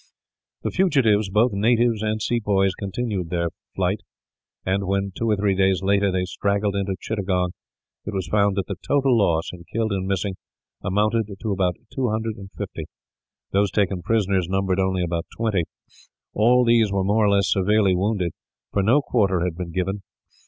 The fugitives, both natives and sepoys, continued their flight; and when, two or three days later, they straggled into Chittagong, it was found that the total loss in killed and missing amounted to about two hundred and fifty. Those taken prisoners numbered only about twenty. All these were more or less severely wounded, for no quarter had been given.